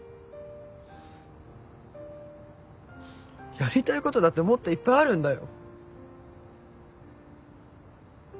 やりたい事だってもっといっぱいあるんだよ。